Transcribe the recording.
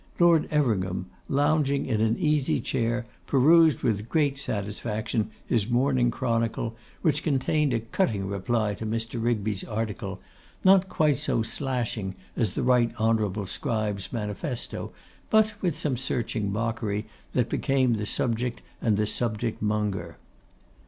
Lord Everingham, lounging in an easy chair, perused with great satisfaction his Morning Chronicle, which contained a cutting reply to Mr. Rigby's article, not quite so 'slashing' as the Right Honourable scribe's manifesto, but with some searching mockery, that became the subject and the subject monger.